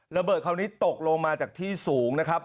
คราวนี้ตกลงมาจากที่สูงนะครับ